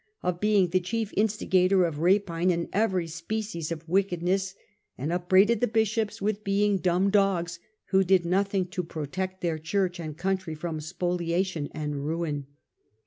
of being the chief instigator Germany Qf rapine and every species of wickedness, and upbraided the bishops with being d umb dogs, who did nothing to protect their Church and country from spolia tion and ruin.